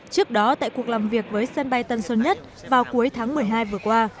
trước đó tại cuộc làm việc với sân bay tân sơn nhất vào cuối tháng một mươi hai vừa qua